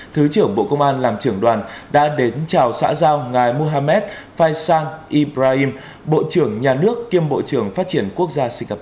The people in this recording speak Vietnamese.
thứ trưởng bộ công an làm trưởng đoàn đã đến chào xã giao ngài muhammad